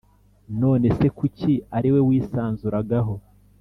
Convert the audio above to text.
none se kuki ari we wisanzuragaho?